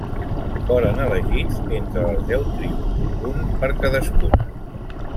Foren elegits entre les deu tribus, un per cadascuna.